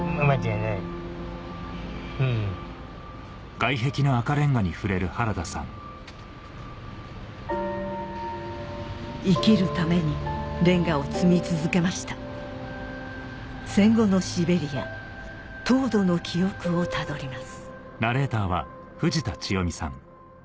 ロシアへ生きるためにレンガを積み続けました戦後のシベリア凍土の記憶をたどります